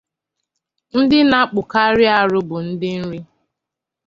ndị na-akpụkarị arụ bụ ndị Nri